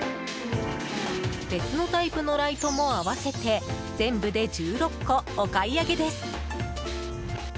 別のタイプのライトも合わせて全部で１６個、お買い上げです。